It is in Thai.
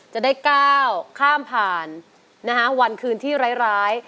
จะได้ก้าวข้ามผ่านวันคืนที่ร้าย